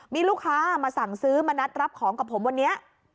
มีลูกค้ามาสั่งซื้อมานัดรับของกับผมวันนี้